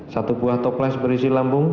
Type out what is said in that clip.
satu buah toples berisi lambung